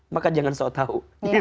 maka jangan soal tahu